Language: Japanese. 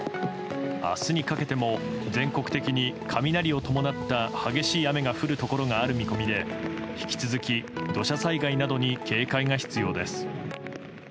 明日にかけても全国的に雷を伴った激しい雨が降るところがある見込みで引き続き、土砂災害などに警戒が必要です。